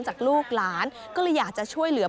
ลูกหลานก็เลยอยากจะช่วยเหลือ